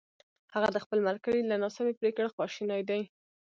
هغه د خپل ملګري له ناسمې پرېکړې خواشینی دی!